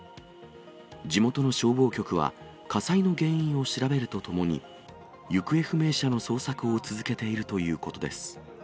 地元の消防局は、火災の原因を調べるとともに、行方不明者の捜索を続けているということです。